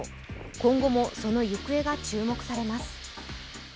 今後もその行方が注目されます。